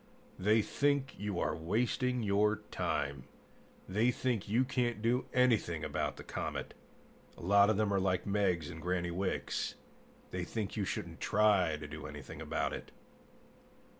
They think you are wasting your time; they think you can't do anything about the comet. A lot of them are like Meggs and Granny Wicks: they think you shouldn't try to do anything about it."